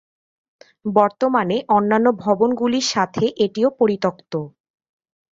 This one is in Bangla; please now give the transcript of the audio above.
বর্তমানে অন্যান্য ভবনগুলির সাথে এটিও পরিত্যক্ত।